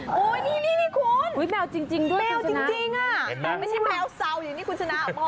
โอ๊ยนี่คุณแมวจริงน่ะคุณชนะเป็นแมวเศร้าอยู่นี่คุณชนะ